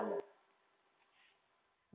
jadi itu adalah hal yang harus dilakukan